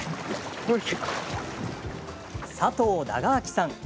佐藤長明さん。